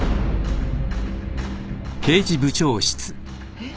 えっ！？